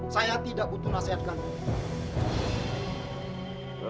saya tidak butuh nasihat kami